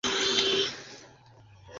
বুঝতে পারি না, কিসের এত তাড়াহুড়ো?